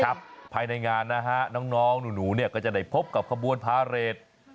ภายในงานนะฮะน้องหนูเนี่ยก็จะได้พบกับขบวนพาเรท